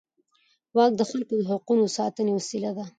واک د خلکو د حقونو د ساتنې وسیله ده.